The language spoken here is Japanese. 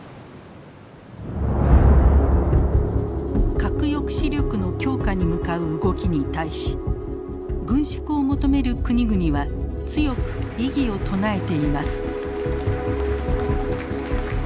核抑止力の強化に向かう動きに対し軍縮を求める国々は強く異議を唱えています。